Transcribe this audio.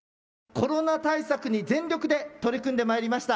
コロナ対策に全力で取り組んでまいりました。